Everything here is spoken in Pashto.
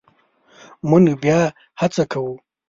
مونږ بیا هڅه کوو